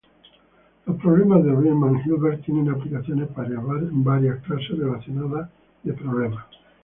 Los problemas de Riemann–Hilbert tienen aplicaciones para varias clases relacionadas de problemas.